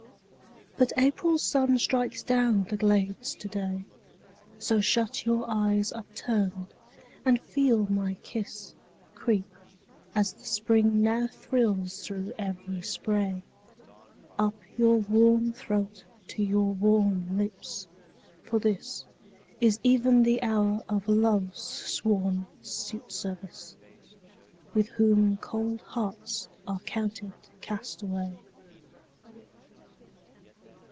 But April's sun strikes down the glades to day; So shut your eyes upturned, and feel my kiss Creep, as the Spring now thrills through every spray, Up your warm throat to your warm lips: for this Is even the hour of Love's sworn suitservice, With whom cold hearts are counted castaway.